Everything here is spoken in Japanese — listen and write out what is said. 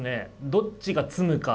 どっちが詰むか。